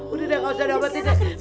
udah deh nggak usah dobatin deh